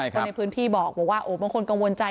คนในพื้นที่บอกว่าโอ้บางคนกังวลใจ